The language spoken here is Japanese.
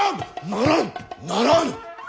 ならん！ならぬ。